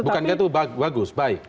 bukannya itu bagus baik